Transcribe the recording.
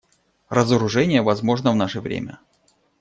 Разоружение возможно в наше время.